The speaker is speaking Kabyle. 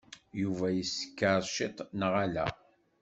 Yuba yeskeṛ ciṭ, neɣ ala?